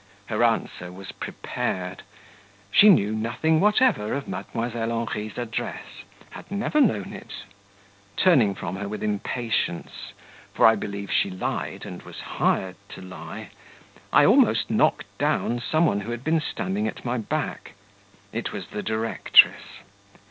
Her answer was prepared; she knew nothing whatever of Mdlle. Henri's address had never known it. Turning from her with impatience for I believed she lied and was hired to lie I almost knocked down some one who had been standing at my back; it was the directress.